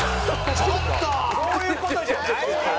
そういう事じゃないねん！